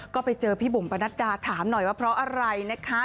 ก็ไปเจอพี่บุ๋มประนัดดาถามหน่อยว่าเพราะอะไรนะคะ